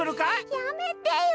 やめてよ。